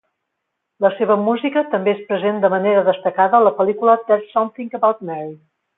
La seva música també es present de manera destacada a la pel·lícula "There's Something About Mary".